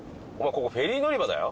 ここ「フェリーのり場」だよ